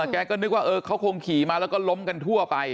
แกก็นึกว่าเขาคงขี่มาแล้วก็ล้มกันทั่วไป